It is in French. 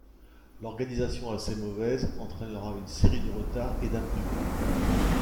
L'organisation, assez mauvaise, entrainera une série de retards et d'imprévus.